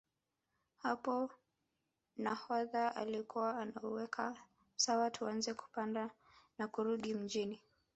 Hapo nahodha alikuwa anauweka sawa tuanze kupanda na kurudi Mjini